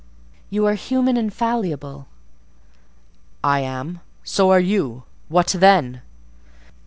"You are human and fallible." "I am: so are you—what then?"